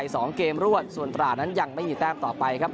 สองเกมรวดส่วนตรานั้นยังไม่มีแต้มต่อไปครับ